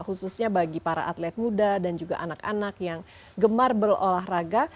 khususnya bagi para atlet muda dan juga anak anak yang gemar berolahraga